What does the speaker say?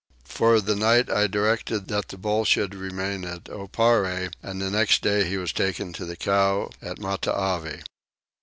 For the night I directed that the bull should remain at Oparre and the next day he was taken to the cow at Matavai.